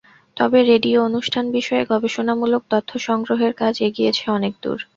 তবে রেডিও অনুষ্ঠান বিষয়ে গবেষণামূলক তথ্য সংগ্রহের কাজ এগিয়েছে অনেক দূর।